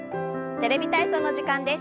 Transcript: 「テレビ体操」の時間です。